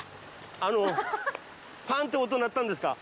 あのパンッて音鳴ったんですか？